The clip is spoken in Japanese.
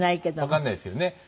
わかんないですけどね。